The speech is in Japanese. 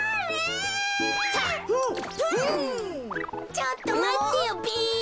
ちょっとまってよべ。